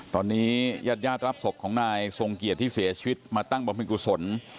ตอนนี้ยาดยาดรับศพของนายที่เสียชีวิตมาตั้งบังมิกุศล